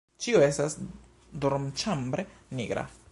Ĉio estas dormĉambre nigra.